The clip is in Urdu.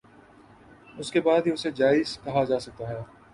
اس کے بعد ہی اسے جائز کہا جا سکتا ہے